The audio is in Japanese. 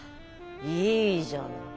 いいじゃない。